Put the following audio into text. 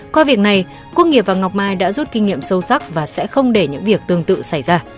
qua việc này quốc nghiệp và ngọc mai đã rút kinh nghiệm sâu sắc và sẽ không để những việc tương tự xảy ra